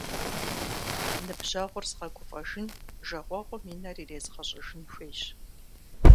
Ныбжьэгъур згъэгуфӏэжын, жагъуэгъум и нэр ирезгъэщӏыжын хуейщ.